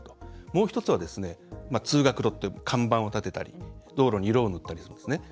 もう１つは「通学路」という看板を立てたり道路に色を塗ったりするんです。